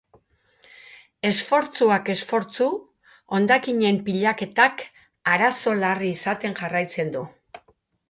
Esfortzuak esfortzu, hondakinen pilaketak arazo larri izaten jarraitzen du.